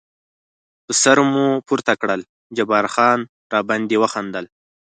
پر سر مو پورته کړل، جبار خان را باندې وخندل.